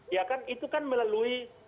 ya kan itu kan melalui